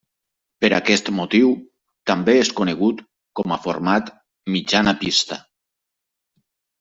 Per aquest motiu, també és conegut com a format mitjana pista.